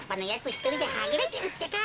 ひとりではぐれてるってか。